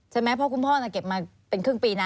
ใช่ไหมเพราะคุณพ่อเก็บมาเป็นครึ่งปีนะ